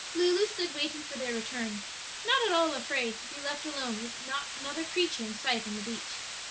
Lulu stood waiting for their return, not at all afraid to be left alone with not another creature in sight on the beach.